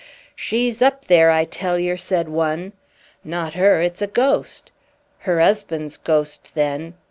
"She's up there, I tell yer," said one. "Not her! It's a ghost." "Her 'usband's ghost, then."